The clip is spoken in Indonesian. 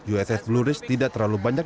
uss blue risk tidak terlalu banyak